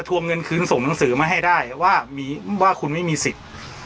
วงเงินคืนส่งหนังสือมาให้ได้ว่ามีว่าคุณไม่มีสิทธิ์